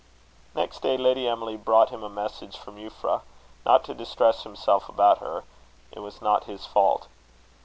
Next day, Lady Emily brought him a message from Euphra not to distress himself about her; it was not his fault.